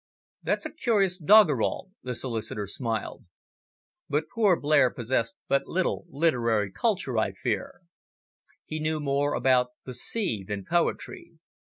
"That's a curious doggerel," the solicitor smiled. "But poor Blair possessed but little literary culture, I fear. He knew more about the sea than poetry.